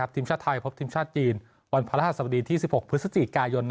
ทีมชาติไทยพบทีมชาติจีนวันพระราชสมดีที่๑๖พฤศจิกายน